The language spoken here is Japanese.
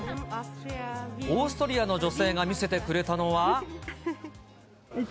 オーストリアの女性が見せてくれたのは。